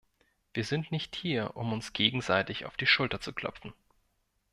Wir sind nicht hier, um uns gegenseitig auf die Schulter zu klopfen.